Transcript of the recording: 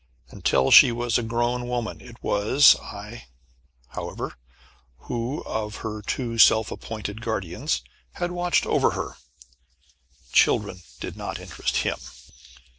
Until she was a woman grown it was I, however, who, of her two self appointed guardians, had watched over her. Children did not interest him.